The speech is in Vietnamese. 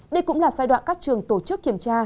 đây cũng là giai đoạn các trường tổ chức kiểm tra